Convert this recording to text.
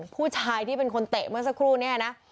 ผู้ชายที่เป็นคนเตะเมื่อสักครู่นี้นะ